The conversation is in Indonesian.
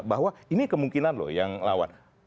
bahwa ini kemungkinan loh yang lawan